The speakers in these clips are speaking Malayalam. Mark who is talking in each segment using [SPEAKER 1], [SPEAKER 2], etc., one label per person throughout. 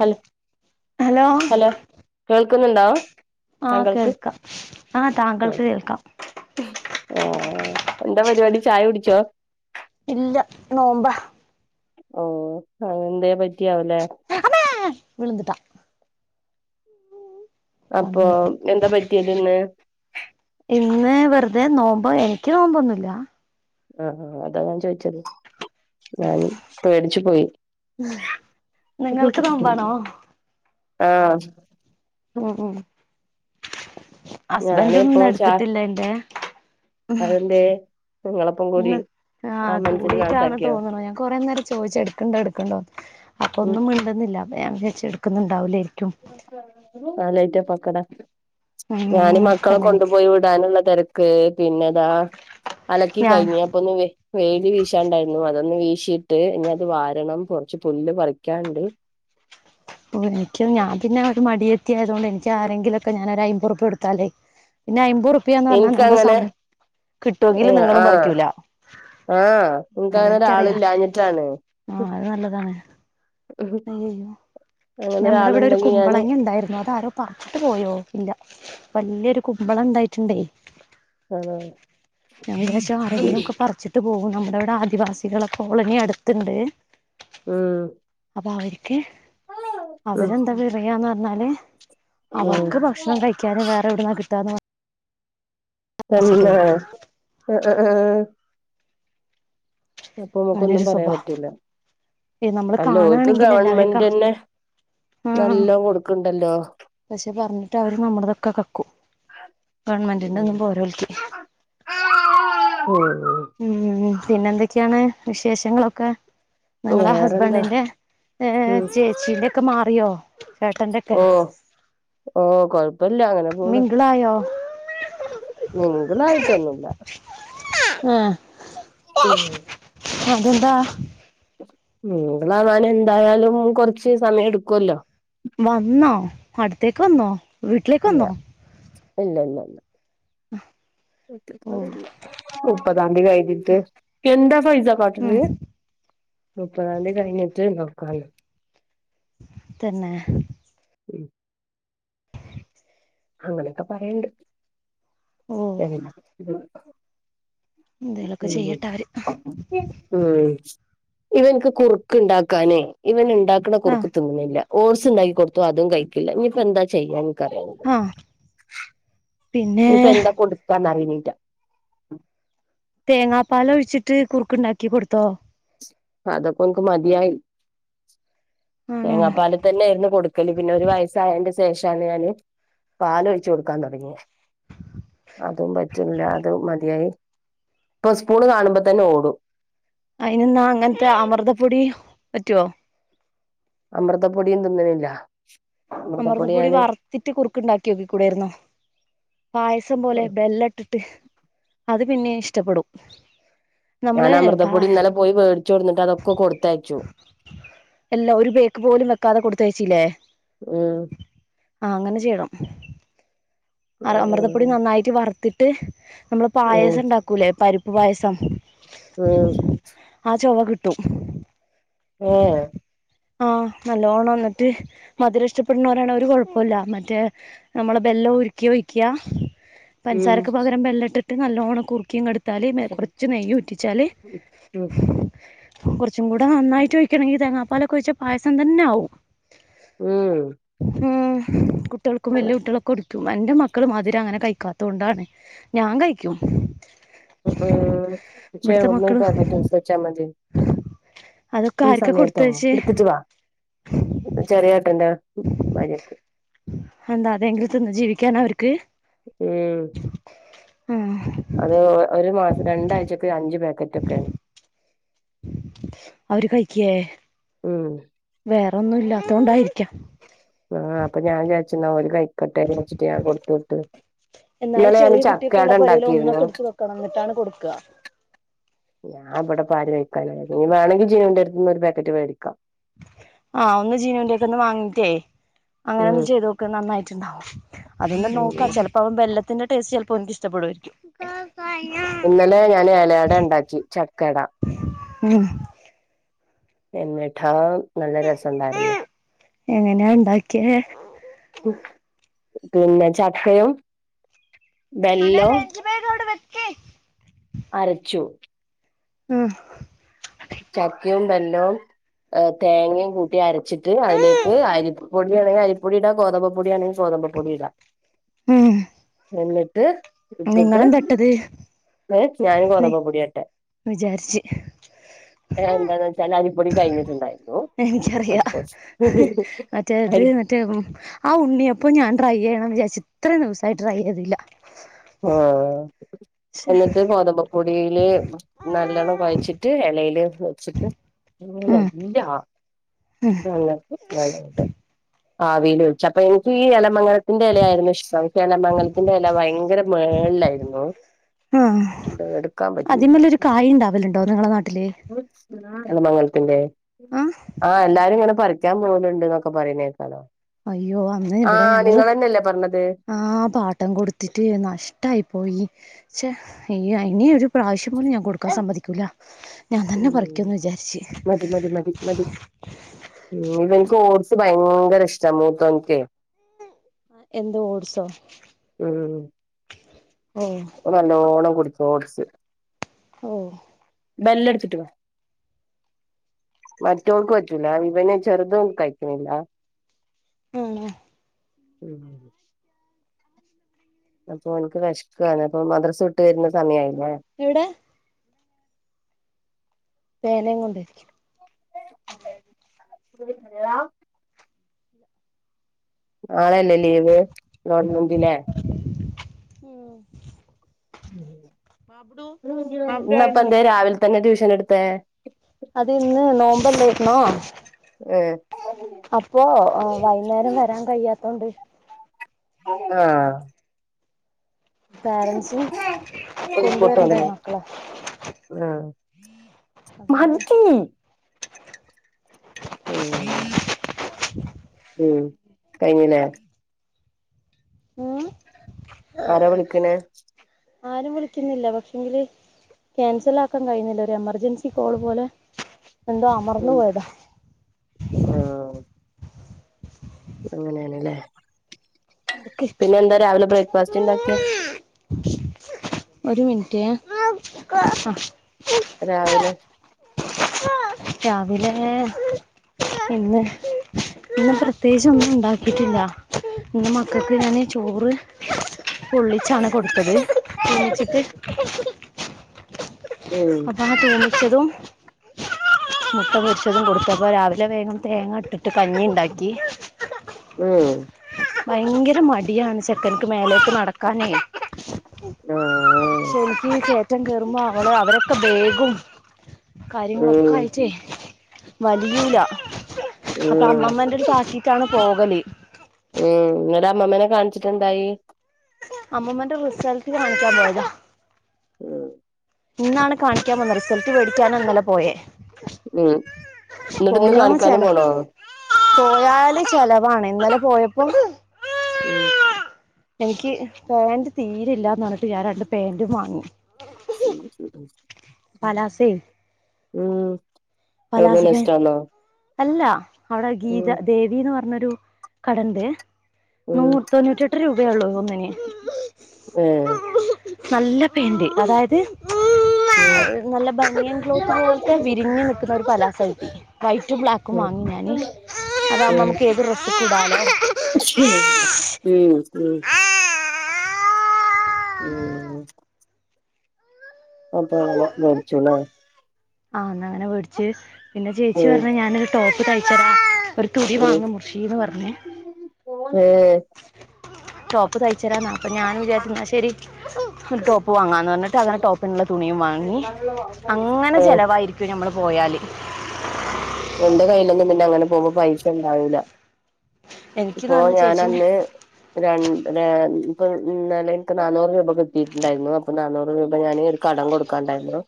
[SPEAKER 1] ഹലോ
[SPEAKER 2] ഹലോ
[SPEAKER 1] [unintelligible] ണ്ടോ
[SPEAKER 2] ആഹ് കേൾക്കാം ആഹ താങ്കൾക്ക് കേൾക്കാം
[SPEAKER 1] ഹോ എന്താ പരിപാടി ചായ കുടിച്ചോ
[SPEAKER 2] ഇല്ല നോമ്പ
[SPEAKER 1] ഓ അ എന്തേപറ്റിയാവലെ
[SPEAKER 2] വിള്ന്ത്ട്ടാ
[SPEAKER 1] അപ്പൊ
[SPEAKER 2] കണ്ണു
[SPEAKER 1] എന്താപറ്റിയതിന്ന്
[SPEAKER 2] ഇന്ന് വെറുതെ നോബൊ എനിക്ക് നോബൊന്നുല്ല
[SPEAKER 1] അഅ അതാ ഞാൻ ചോയ് ചത് ഞാൻ പേടിച്ച്പോയി
[SPEAKER 2] ഉ നിങ്ങൾക്ക് നോമ്പാണോ
[SPEAKER 1] ആഹ്
[SPEAKER 2] മ് മ്
[SPEAKER 1] ഞാന് ഇപ്പോ ചാ
[SPEAKER 2] ഹസ്ബൻ്റുംന്ന്എട്ത്ത്ട്ടില്ല എന്റെ
[SPEAKER 1] അതെന്തേ
[SPEAKER 2] ഹ് ആ
[SPEAKER 1] മനുഷ്യനെ
[SPEAKER 2] കൂടിട്ടാണ്
[SPEAKER 1] നാസാക്കിയോ
[SPEAKER 2] തോന്ന്ണ് ഞാൻ കൊറേ നേരം ചോയ്ച് എടുക്ക്ണ്ടോ എടുക്ക്ണ്ടോന്ന്
[SPEAKER 1] ഉം
[SPEAKER 2] അപ്പൊന്നും മിണ്ട്ന്നില്ല ഞാമ് വിജാരിച്ച് എട്ക്കുന്ന്ണ്ടാവുലെ
[SPEAKER 1] ആ ലൈറ്റോ ഫാക്കട
[SPEAKER 2] ഉം
[SPEAKER 1] മ്ച്ഞാൻമക്കളെ
[SPEAKER 2] അങ്ങനെയൊക്കെ
[SPEAKER 1] കൊണ്ട്പോയി വ്ടാനുള്ള തെരക് ക്പിന്നെതാ അലക്കി
[SPEAKER 2] ഞാൻ
[SPEAKER 1] കഴിഞ് അപ്പൊന്ന് വെ ഷിട്ട് ഇനി അത് വാരണം കുറച്ച് പുല്ല് പറിക്യാണ്ട്
[SPEAKER 2] ഓ നിക്ക് ഞാൻ പിന്നെ ഒരു മടിയെ [unintelligible] ആയത് കൊണ്ട് എനിക്കാ രെങ്കിലൊക്കെ ഞാനരു അയ്മ്പൊർപ്വ കൊടുത്താലെ പിന്നെ അയ്മ്പൊർ അപ്പിയാന്ന് പറഞ്ഞാൽ
[SPEAKER 1] എനിക്കങ്ങനെ
[SPEAKER 2] നമ്മൾസമയകിട്ടൊങ്ക്ൽ നിങ്ങളും
[SPEAKER 1] ആഹ്
[SPEAKER 2] പറിക്കൂല
[SPEAKER 1] ആഹ് എനിക്കങ്ങനെ
[SPEAKER 2] അതെനിക്കറിയാ
[SPEAKER 1] ഒരാളില്ലാഞ്ഞിട്ടാണ്
[SPEAKER 2] ആഹ് അത് നല്ലതാണ് അയ്യയ്യൊ
[SPEAKER 1] അങ്ങനെ
[SPEAKER 2] ഞമ്മ്ടെ വിടൊരു
[SPEAKER 1] ഒരാളുണ്ടെങ്കി ഞാന്
[SPEAKER 2] കുമ്പളങ്ങൺണ്ടായിര്ന്നു അതാരോ പറച്ചിട്ട് പോയോ ഇല്ല വല്യൊരു കുമ്പളം ണ്ടായിട്ടുണ്ടേ
[SPEAKER 1] ആഹ്
[SPEAKER 2] ഞാമ് വിചാരിച്ചാ
[SPEAKER 1] ഉം
[SPEAKER 2] ആരെങ്കിലും ക്കെ പറിച്ചിട്ട് പോം നമ്മുടവിട ആദിവാസികളെ കോളനി അട്ത്ത്ണ്ട്
[SPEAKER 1] ഉമ്
[SPEAKER 2] അപ്പം അവര്ക്ക് അവരെന്താ വിറയാന്ന്ർഞ്ഞാല്
[SPEAKER 1] ഉം
[SPEAKER 2] അവർക്ക് ഭക്ഷണം കഴിക്കാൻ വേറെ എവ്ട്ന്നാ കിട്ടന്ന് പറ
[SPEAKER 1] തന്നെ അ അആ അപ്പൊ നമുക്കൊന്നും പറയാമ് പറ്റൂല
[SPEAKER 2] എനമ്മള്
[SPEAKER 1] അല്ല ഓൽക്ക്
[SPEAKER 2] കാണാണെങ്കിൽ എല്ലാവര്ക്കാ
[SPEAKER 1] ഗവൺമെന്റന്നെ
[SPEAKER 2] ആഅ
[SPEAKER 1] നല്ലോ കൊടുക്ക്ണ്ടല്ലോ
[SPEAKER 2] പക്ഷെ പറഞ്ഞിട്ട് അവര് നമ്ടെതൊക്കെ കക്കും ഗവൺമെൻ്റിൻ്റന്ന് മ്പോര്
[SPEAKER 1] അആ ആമ്
[SPEAKER 2] മ് പിന്നെ ന്തൊക്കെയാണ് വിശേഷങ്ങളൊക്കെ
[SPEAKER 1] ഉം
[SPEAKER 2] നിങ്ങളെ
[SPEAKER 1] വേറെന്താ
[SPEAKER 2] ഹസ്ബൻൻ്റിൻ്റെ ഏ ചേച്ചീൻ്റെക്കെ മാറിയോ ചേട്ടന്റെ ഒക്കെ
[SPEAKER 1] ഓ ഓ കൊഴ്പ്പല്ല അങ്ങനെ പോണ്
[SPEAKER 2] മിംഗിളായോ
[SPEAKER 1] നിങ്ങ്ക്കൊന്നായിട്ടൊന്നുല്ല
[SPEAKER 2] ഹ്ആ
[SPEAKER 1] ഉമ്
[SPEAKER 2] അതെന്താ
[SPEAKER 1] [unintelligible] എന്തായാലും കൊറച്ച് സമയം എട്ക്കൊല്ലോ
[SPEAKER 2] വന്നോ അടുത്തേക്ക് വന്നോ വീട്ടിലേക്ക് വന്നോ
[SPEAKER 1] ഇല്ലല്ലല്ല
[SPEAKER 2] ഓ
[SPEAKER 1] [unintelligible] ക്കദാണ്ടി കയിഞ്ഞിട്ട്എന്താ ഫൈസാ
[SPEAKER 2] ഉം
[SPEAKER 1] ഫാതിമേ മുപ്പതാംതി കഴിഞ്ഞിട്ട് [unintelligible]
[SPEAKER 2] തന്നെ
[SPEAKER 1] ഉം
[SPEAKER 2] [unintelligible]
[SPEAKER 1] അങ്ങനൊക്കെ പറയ്ണ്ട്
[SPEAKER 2] ഓ
[SPEAKER 1] [unintelligible]
[SPEAKER 2] എന്തേലൊക്കെ
[SPEAKER 1] ഉംമ്
[SPEAKER 2] ചെയ്യട്ടെ അവര്
[SPEAKER 1] ഇവന്ക്ക് കുറുക്ക് ണ്ടാക്കാനേ ഇവൻ ണ്ടാക്ണ
[SPEAKER 2] ആ
[SPEAKER 1] കുറുക്ക് തിന്ന് ണ്ല്ല ഓർ്സ് ണ്ടാക്കി കൊടുത്തു അതും കഴിക്കില്ല ഇനിപ്പോ എന്താ ചെയ്യാൻ നിക്കറിയ
[SPEAKER 2] ഹ്
[SPEAKER 1] ഇനിപ്പൊ എന്താ കൊടുക്കാന്ന് അറഞ്ഞീറ്റ
[SPEAKER 2] തേങ്ങാപ്പാല് ഒഴിച്ചിട്ട് കുറുക്ക് ഉണ്ടാക്കി കൊടുത്തോ
[SPEAKER 1] അതക്കഓക്ക് മതിയയി
[SPEAKER 2] ആണോ
[SPEAKER 1] തേങ്ങാപ്പാല തന്നൊയിയിരുന്നു കൊടുക്കല് പിന്നെ ഒരു വയസ്സായണ്ട് സ് ശേഷാണ് ഞാന് പാല് ഒഴിച്ചു കൊടുക്കാൻ തുടങ്ങിയത് അതും പറ്റില്ല അത് മതിയായി ഇപ്പൊ സ്പൂണ് കാണുമ്പോ തന്നെ ഓടും.
[SPEAKER 2] അയിനിന്നാ അങ്ങനത്തെ അമൃതപ്പൊടി പറ്റുവോ
[SPEAKER 1] അമൃതപ്പൊടി എന്തൊന്നും ഇല്ല
[SPEAKER 2] അമൃതപ്പൊടി വറുത്തിട്ട് കുറക്ക് ഉണ്ടാക്കി നോക്കി കൂടൊയിരുന്നോ പായസം പോലെ ബെല്ല ഇട്ടിട്ട് അത് പിന്നെയ ഇഷ്ടപ്പെടും നമ്മള്
[SPEAKER 1] ഞാൻ അമൃതപ്പൊടി ഇന്നലെ പോയി മേടിച്ചു കൊടന്നിട്ട് അതൊക്കെ കൊടുത്തയച്ചു
[SPEAKER 2] എല്ലാ ഒരു ബേക്ക് പോലും വെക്കാതെ കൊടുത്തയച്ചില്ലേ
[SPEAKER 1] ഉം
[SPEAKER 2] ആ അങ്ങനെ ചെയ്യണം അമൃതപ്പൊടി
[SPEAKER 1] ഉം
[SPEAKER 2] നന്നായിട്ട് വറുത്തിട്ട് നമ്മള്
[SPEAKER 1] ഉം
[SPEAKER 2] പായസം ഉണ്ടാക്കൂലേ പരിപ്പ് പായസം
[SPEAKER 1] ഉം
[SPEAKER 2] ആ ചൊവ കിട്ടും
[SPEAKER 1] ഏ
[SPEAKER 2] ആ നല്ലോണം വന്നിട്ട് മധുര ഇഷ്ടപ്പെടുന്നവരാണ അവര് കൊഴപ്പില്ല മറ്റേ നമ്മളെ വെള്ളംഒഴിക്കുവെക്കുക
[SPEAKER 1] ഉം
[SPEAKER 2] പാൻസാരക്ക്പകരംവെള്ളഇട്ടാട്ട്നല്ലോണംകുറിക്കിഇങ്ങ് ത്തല് കൊറച്ച് നെയ്യ ഒറ്റിച്ചാല്
[SPEAKER 1] ഉം
[SPEAKER 2] കുറച്ചും കൂടെ നന്നായിട്ട് വയ്ക്കണമെങ്കിൽ തേങ്ങാപ്പാലൊക്കെ ഒഴച്ചാ പായസം തന്നെ ആകും
[SPEAKER 1] ഉം
[SPEAKER 2] കുട്ടികൾക്കും വല്ല്യകുട്ടികൾക്കുംകൊടുത്തു മന്റെ മക്കള് മതിരം അങ്ങനെ കഴിക്കാത്ത കൊണ്ടാണ് ഞാൻ കഴിക്കും
[SPEAKER 1] ഉ ഉം
[SPEAKER 2] ഇവിടുത്തെ മക്കള് അതൊക്കെ
[SPEAKER 1] ഈ
[SPEAKER 2] ആർക്കാ
[SPEAKER 1] സമയത്തോ
[SPEAKER 2] കൊടുത്തയച്ച്
[SPEAKER 1] എത്തിച്ച വ ചെറിഏട്ടന്റെ ഭാര്യയ്ക്ക്
[SPEAKER 2] എന്താ അതെങ്കിലന്ന് ജീവിക്കാനാ അവർക്ക്
[SPEAKER 1] ഉം
[SPEAKER 2] ഉം
[SPEAKER 1] അത് ഒരു മാസം രണ്ടാഴ്ചക്കെ അഞ്ച്പാക്കറ്റ് ഒക്കെയാണ്
[SPEAKER 2] അവര് കഴിക്കിയേ
[SPEAKER 1] ഉം
[SPEAKER 2] വേറെന്നും ഇല്ലാത്ത കൊണ്ടായിരിക്കാം
[SPEAKER 1] ആ അപ്പൊ ഞാൻ വിചാരിച്ഇന്നാ ഒരകഴിക്കെട്ട് എന്ന് വെച്ചിട്ട് ഞാൻ കൊടുത്തുവിട്ട്
[SPEAKER 2] എന്നാല് ചെറിയ കുട്ടിയക്കെ ഉള്ള പുരൽ ഒന്നൊക്കെ എടുത്ത് വെക്കണം എന്നിട്ടാണ് കൊടുക്ക
[SPEAKER 1] ഞാൻ അവിടെ പാല് കഴിക്കാനായിഇനി വേണമെങ്കിൽ ജീനുന്റെഎടുത്തുന്ന്ഒരുപാക്കറ്റ് മേടിക്കാം
[SPEAKER 2] ആ ഒന്ന് ജീനണ്ടിയൊക്കെ ഒന്ന് വാങ്ങിട്ടേ അങ്ങനെ
[SPEAKER 1] ഉം
[SPEAKER 2] ഒന്ന് ചെയ്ത് നോക്ക്‌ നന്നായിട്ടിണ്ടാവും. അതെന്ന് നോക്കാ
[SPEAKER 1] ഉം
[SPEAKER 2] ചിലപ്പോഅവെള്ളത്തിന്റെ ടേസ്റ്റ്ചെലപ്പാ അവന് ഇഷ്ടപ്പെടുവായിരിക്കും
[SPEAKER 1] ഇന്നലെ ഞാൻ ഏലയട ഇണ്ടാക്കി ചക്കട
[SPEAKER 2] ഉം
[SPEAKER 1] എന്നിട്ടാ നല്ല രസഉണ്ടായിരുന്നു.
[SPEAKER 2] എങ്ങനെയാ ഉണ്ടാക്കിയെ
[SPEAKER 1] മ് പിന്നെ ചക്കയും ബെല്ലവും
[SPEAKER 2] മനേലെഞ്ച്ബാഗ് അവിടെ ബക്ക്
[SPEAKER 1] അരച്ചു
[SPEAKER 2] മ്
[SPEAKER 1] ചക്കയും വെല്ലവും തേങ്ങയും കൂട്ടി അരച്ചിട്ട് അതിലേക്ക് അരിപ്പൊടി ആണെങ്കിൽ അരിപ്പൊടിഇടാം ഗോതമ്പ് പൊടി ആണെക്കിൽ ഗോതമ്പ് പൊടി ഇടാ
[SPEAKER 2] ഉം
[SPEAKER 1] എന്നിട്ട് ഇട്ടിട്ട്
[SPEAKER 2] നിങ്ങളെന്തട്ടത് ന്ന്
[SPEAKER 1] ഞാനഗോതമ്പ പൊടിയട്ടെ
[SPEAKER 2] വിചാരിച്ച്
[SPEAKER 1] ഏ എന്താന്ന് വച്ചാല് അരിപ്പൊടി കഴിഞ്ഞിട്ടുണ്ടായിരുന്നു
[SPEAKER 2] എനിക്കറിയാ മറ്റേത്
[SPEAKER 1] അരി
[SPEAKER 2] [unintelligible] ആ ഉണ്ണിയപ്പം ഞാൻ ട്രൈ ചെയ്യണം വിചാരി ച്ച ഇത്രയും ദിവസായിട്ട് ട്രൈ ചെയ്തില്ല
[SPEAKER 1] ആ
[SPEAKER 2] ശ്ശെ
[SPEAKER 1] എന്നിട്ട് ഗോതമ്പ പൊടി [unintelligible] നല്ലോണ്ണം കൊയച്ചിട്ട് എലേല് വെച്ചിട്ട് ഇങ്ങനെ അല്ലെ
[SPEAKER 2] ഉം
[SPEAKER 1] ഞങ്ങക്ക്
[SPEAKER 2] ഉം
[SPEAKER 1] [unintelligible] ആ ആവീൽ വെച്ചു അപ്പൊ എനിക്ക് ഈ എലമംഗലത്തിന്റെ എലയായിരുന്നു ഇഷ്ടം എലമംഗലത്തിന്റെ എല ഭയങ്കര മേളിലായിരുന്നു
[SPEAKER 2] ആ
[SPEAKER 1] എടുക്കാൻ പറ്റിയില്ല
[SPEAKER 2] അതിമല്ലരു കായണ്ടാവലുണ്ടോ നിങ്ങളെ നാട്ടില്
[SPEAKER 1] എലമങ്ങൽ പിന്നെ
[SPEAKER 2] ആഹ്
[SPEAKER 1] ആ എല്ലാരും ഇങ്ങനെ പറിക്കാൻ പോകുന്നുണ്ട് എന്നൊക്കെ പറയുന്ന കേക്കാല്ലോ
[SPEAKER 2] അയ്യോ അന്ന് ഇവിടെ ഞങ്ങള്
[SPEAKER 1] പറഞ്ഞത്
[SPEAKER 2] ആ പാട്ടം കൊടുത്തിട്ട് നഷ് ട്ടായി പോയി ക്ഷേ ഇനി ഒരു പ്രാവശ്യം പോലും ഞാൻ കൊടുക്കാൻ സമ്മതിക്കൂല ഞാൻ
[SPEAKER 1] ഉം
[SPEAKER 2] തന്നെ പറിക്കുംന്ന് വിചാരിച്ച്
[SPEAKER 1] മതി മതി മതി മതി ഉം ഇവൻ കോഴ്സ് ഭയങ്കര ഇഷ്ടാ മൂത്തോനിക്ക്
[SPEAKER 2] ആ എന്താ ഓഡ്സോ
[SPEAKER 1] ഉം ഓൻ നല്ലോണം കുടിക്കും ഓട്സ്
[SPEAKER 2] ഓ
[SPEAKER 1] ബെല്ല് എടുത്തിട്ട് വ മറ്റോവക്ക് പറ്റൂല ഇവന് ചെറുതൊന്നും കഴിക്കണില്ല
[SPEAKER 2] ആണോ
[SPEAKER 1] ഉം അപ്പൊ എനിക്ക് വെശക്ക് കാ ണ് അപ്പൊ മദ്രസ വിട്ട് വരുന്ന സമയായില്ല
[SPEAKER 2] എവിടെ വേനേം കൊണ്ടിരിക്കും
[SPEAKER 1] [unintelligible] നാളല്ലേ ലീവ് ഗവണ്മെന്റിലെ
[SPEAKER 2] ഉം ബാബുഡു ബാബുഡു
[SPEAKER 1] ഇന്നപ്പ എന്തേ
[SPEAKER 2] ആയിരുന്നില്ലേ
[SPEAKER 1] രാവിലെ തന്നെ ട്യൂഷൻ എടുത്തെ
[SPEAKER 2] അത് ഇന്ന് നോമ്പല്ലാരുന്നോ
[SPEAKER 1] ഏഹ്
[SPEAKER 2] അപ്പോ വൈയ്യുന്നേരം വരാൻ കയിയാത്തോണ്ട്
[SPEAKER 1] ആഹ്
[SPEAKER 2] പേരൻസും
[SPEAKER 1] [unintelligible]
[SPEAKER 2] കൊണ്ടുവരണ്ടേ മക്കളെ
[SPEAKER 1] ആ
[SPEAKER 2] അതുകൊണ്ട്
[SPEAKER 1] മതീ ഉം ഉം കയിഞ്ഞല്ലേ
[SPEAKER 2] ഉം
[SPEAKER 1] ആരാ വിളിക്കണെ
[SPEAKER 2] ആരും വിളിക്കുന്നില്ല പക്ഷെങ്കില് ക്യാൻസൽ ആക്കാൻ കഴിയുന്നില്ല ഒരു എമർജൻസി കോള് പോലെ എന്തോ അമർന്നു
[SPEAKER 1] ഉം
[SPEAKER 2] പോയതാ
[SPEAKER 1] അങ്ങനെയണല്ലേ
[SPEAKER 2] നടക്ക്
[SPEAKER 1] പിന്നെ എന്താ രാവിലെ ബ്രേക്ക്ഫാസ്റ്റ് ഇണ്ടാക്കിയെ
[SPEAKER 2] ഒരു മിനിറ്റ്
[SPEAKER 1] രാവിലെ
[SPEAKER 2] രാവിലെ ഇന്ന് ഇന്നും പ്രത്യേകിച്ച് ഒന്നും ഉണ്ടാക്കിട്ടില്ല ഇന്ന്
[SPEAKER 1] എന്തേനു?
[SPEAKER 2] മക്കൾക്ക് ഞാന് ചോറ് പൊള്ളിച്ചാണ് കൊടുത്തത് പൊള്ളിച്ചിട്ട്
[SPEAKER 1] ഉം
[SPEAKER 2] അപ്പ ആ തൂമ്പിച്ചതും മുട്ട പൊരിച്ചതും കൊടുത്തു അ പ്പോൾ രാവിലെ വേഗം തേങ്ങ ഇട്ടിട്ട് കഞ്ഞി എണ്ടാക്കി
[SPEAKER 1] ഉം
[SPEAKER 2] ഭയങ്കര മടിയാണ് ചെക്കനിക്ക് മേലേക്ക് നടക്കാനേ
[SPEAKER 1] ആ ആ
[SPEAKER 2] പക്ഷെ എനിക്ക് കയറ്റം കേയറുമ്പോ ആവളെ അവരയെക്കെ ബേഗും
[SPEAKER 1] ഉം
[SPEAKER 2] കാര്യങ്ങളൊക്കെ ആയിട്ടേ വലിയുല്ല അപ്പൊ
[SPEAKER 1] ഉം
[SPEAKER 2] അമ്മമ്മന്റെ അടുത്ത് ആക്കി ട്ടാണ് പോകല്
[SPEAKER 1] ഉം ഇന്നലെ അമ്മമ്മേനെ കാണിച്ചിട്ട് എന്തായി
[SPEAKER 2] അമ്മമ്മന്റെ റിസൾട്ട് കാണിക്കാൻ പോയതാ
[SPEAKER 1] ഉം
[SPEAKER 2] ഇന്നാണ് കാണിക്കാൻ വന്ന് റിസൾട്ട് മേടിക്കാനാ ഇന്നലെ പോയേ
[SPEAKER 1] ഉം എന്നിട്ട് ഇന്ന്
[SPEAKER 2] പോയാ
[SPEAKER 1] കാണിക്കാനും
[SPEAKER 2] ചെല
[SPEAKER 1] പോണോ
[SPEAKER 2] പോയാല് ചെലവാണ് ഇന്നലെ പോയപ്പോൾ
[SPEAKER 1] ഉം
[SPEAKER 2] എനിക്ക് പാന്റ് തീരെയില്ലന്ന് പറഞ്ഞിട്ട് ഞാൻ രണ്ട് പാന്റും വാങ്ങി പലാസയെ
[SPEAKER 1] ഉം എവിടുന്നാ നെസ്റ്റോന്നോ
[SPEAKER 2] അല്ല അവിടെ ഗീത ദേവിന്ന് പറഞ്ഞൊരു കടുണ്ട് നൂ
[SPEAKER 1] ഉം
[SPEAKER 2] തൊണ്ണൂറ്റെട്ട് രൂപയാള്ളു ഒന്നിന്
[SPEAKER 1] ഏഹ്
[SPEAKER 2] നല്ല പെയിന്റ് അതായത്
[SPEAKER 1] ഉം
[SPEAKER 2] നല്ല ബയൻ ക്ലോത്ത് പോലത്തെ വിരിഞ്ഞ് നിൽക്കുന്ന ഒരു വൈറ്റും ബ്ലാക്കും
[SPEAKER 1] ഉം
[SPEAKER 2] വാങ്ങി ഞാന് അതാവകുമ്പോ
[SPEAKER 1] ഉം
[SPEAKER 2] നമുക്ക് ഏത് ഡ്രസ്സ കൂടെ ഇടാലോ
[SPEAKER 1] ഉം ഉം ഉം അപ്പ അങ്ങനെ വേടിച്ചൂല്ലെ
[SPEAKER 2] ആ അങ്ങനെ മേടിച്ചു പിന്നെ ചേച്ചി
[SPEAKER 1] ഉം
[SPEAKER 2] പറഞ്ഞ് ഞാനൊരു ടോപ്പ തയ്ച്ച തരാ ഒരു തുണ്ടി
[SPEAKER 1] ഉം
[SPEAKER 2] വാങ്ങ് മുർശീന്ന് പറഞ്ഞേ
[SPEAKER 1] ഏഹ്
[SPEAKER 2] ടോപ്പ് തയ്ച്ചരാന്ന അപ്പൊ ഞാൻ വിചാരിച്ച എന്നാ ശരി ഉപ്പ് വാങ്ങാന്ന് പറഞ്ഞിട്ട് അങ്ങനെ ടോപ്പിനുള്ള തുണിയും വാങ്ങി അങ്ങനെ
[SPEAKER 1] ഏഹ്
[SPEAKER 2] ചിലവായിരിക്കും നമ്മൾ പോയാല്
[SPEAKER 1] എന്റെ കയ്യിലൊന്നും പിന്നെ അങ്ങനെ പോകുമ്പോ പൈസ ഉണ്ടാവൂല്ല
[SPEAKER 2] എനിക്ക്ന്ന്
[SPEAKER 1] ഇപ്പൊ
[SPEAKER 2] പറഞ്ഞ
[SPEAKER 1] ഞാൻ
[SPEAKER 2] ചേച്ചീന്റെ
[SPEAKER 1] അന്ന് രണ്ട് ര- അപ്പൊന്നല്ലെ എനിക്ക് നന്നൂറ് രൂപ കിട്ടിയിട്ടുണ്ടായിരുന്നു അപ്പൊ നന്നൂറ് രൂപ ഞാൻ ഒരു കടം കൊടുക്കാണ്ടായിരുന്നു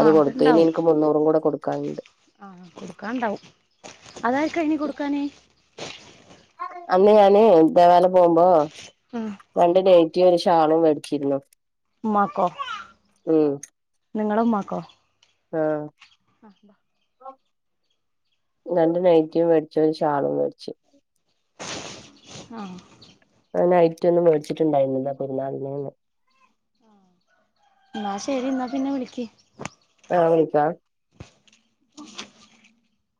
[SPEAKER 1] അത്
[SPEAKER 2] ആഹ്
[SPEAKER 1] കൊടുത്തു ഇനി
[SPEAKER 2] അത്ണ്ടാവും
[SPEAKER 1] എനിക്ക് മുന്നൂറും കൂടെ കൊടുക്കാനുണ്ട്
[SPEAKER 2] ആഹ് കൊടുക്കാണ്ടാവും അതായിരിക്കാ ഇനി കൊടുക്കാനേ
[SPEAKER 1] അന്ന് ഞാന് തേവാല പോകുമ്പോ
[SPEAKER 2] ഉം
[SPEAKER 1] രണ്ട് നൈറ്റി ഒരു ഷാളും മേടിച്ചിരുന്നു
[SPEAKER 2] ഉമ്മാക്കോ
[SPEAKER 1] ഉം
[SPEAKER 2] നിങ്ങള ഉമ്മാക്കോ
[SPEAKER 1] ആ രണ്ട് നൈയ്റ്റിം മേടിച്ചു ഒരു ഷാളും മേടിച്ചു
[SPEAKER 2] ആ
[SPEAKER 1] നൈറ്റിഒന്നും മേടിച്ചിട്ടുണ്ടായിരുന്നില്ലാ പൊരുന്നാളിനെന്ന്
[SPEAKER 2] ആ എന്നാ ശരി എന്നാ പിന്നെ വിളക്ക്
[SPEAKER 1] ആ അവനിക്കാ